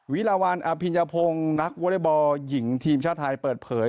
วิลาวันอภิญพงศ์นักวอเล็กบอลหญิงทีมชาติไทยเปิดเผย